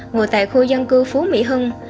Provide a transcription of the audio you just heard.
ngồi tại khu dân cư phú mỹ hưng